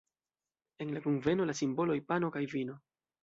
En la kunveno la simboloj: pano kaj vino.